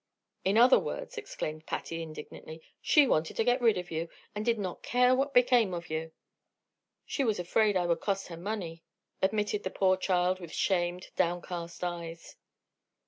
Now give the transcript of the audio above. "In other words," exclaimed Patsy, indignantly, "she wanted to get rid of you, and did not care what became of you." "She was afraid I would cost her money," admitted the poor child, with shamed, downcast eyes.